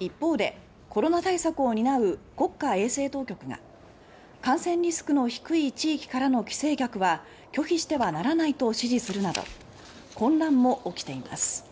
一方で、コロナ対策を担う国家衛生当局が「感染リスクの低い地域からの帰省者は拒否してはならない」と指示するなど混乱も起きています。